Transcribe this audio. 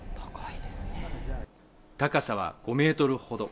高さは５メートルほど。